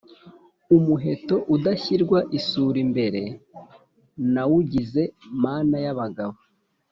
umuheto udashyirwa isuli imbere, nawugize mana y'abagabo